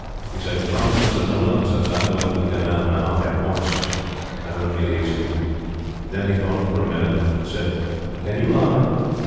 He said: "Nonsense or nonsense, I'm going to the Canal now at once. I don't feel easy." Then he thought for a minute, and said: "Can you lie?"